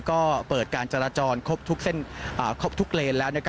ก็เปิดการจราจรครบทุกเลนแล้ว